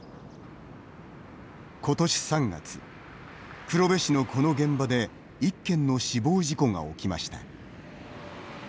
今年３月、黒部市のこの現場で１件の死亡事故が起きました。